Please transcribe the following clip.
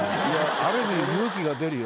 ある意味勇気が出るよ。